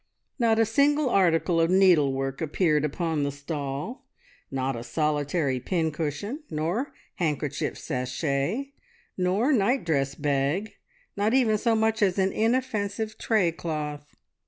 Not a single article of needlework appeared upon the stall; not a solitary pincushion, nor handkerchief sachet, nor nightdress bag, not even so much as an inoffensive tray cloth.